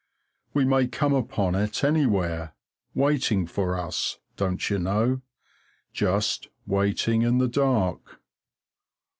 We may come upon it anywhere, waiting for us, don't you know? just waiting in the dark.